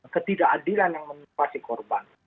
ketidakadilan yang menyebabkan korban